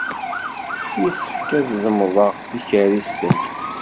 Yessefk ad tzemḍed tikerrist-nni.